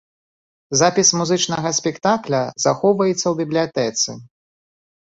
Запіс музычнага спектакля захоўваецца ў бібліятэцы.